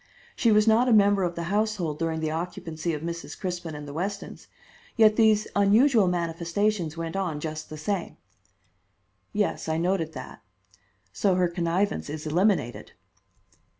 She was not a member of the household during the occupancy of Mrs. Crispin and the Westons, yet these unusual manifestations went on just the same." "Yes, I noted that." "So her connivance is eliminated."